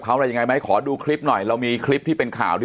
เขาอะไรยังไงไหมขอดูคลิปหน่อยเรามีคลิปที่เป็นข่าวที่